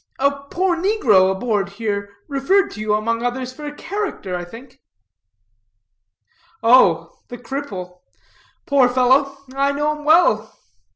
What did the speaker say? A poor negro aboard here referred to you, among others, for a character, I think." "Oh, the cripple. Poor fellow. I know him well.